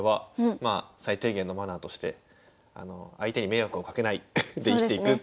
まあ最低限のマナーとして相手に迷惑をかけないで生きていくということで。